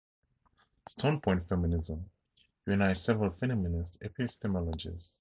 Standpoint feminism unites several feminist epistemologies.